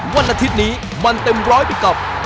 วันอาทิตย์นี้มันเต็มร้อยไปกับ